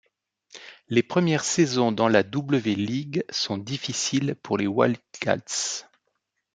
Les premières saisons dans la W-League sont difficiles pour les Wildcats.